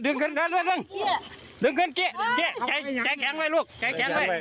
อ๋อดึงขึ้นดึงขึ้นดึงขึ้นเกะเกะใจแข็งไว้ลูกใจแข็งไว้